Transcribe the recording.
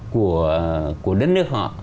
của đất nước họ